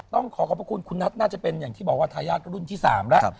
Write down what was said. ต้องขอขอบพระคุณคุณนัทน่าจะเป็นอย่างที่บอกว่าทายาทรุ่นที่๓แล้ว